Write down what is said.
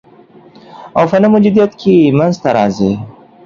او په نه موجودیت کي یې منځ ته راځي